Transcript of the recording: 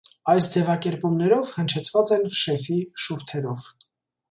Այս ձևակերպումներով հնչեցված են «շեֆի» շուրթերով։